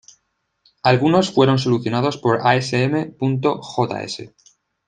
Algunos fueron solucionados por asm.js.